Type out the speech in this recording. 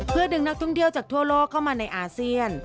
เพื่อดึงนักท่องเที่ยวจากทั่วโลกเข้ามาในอาเซียน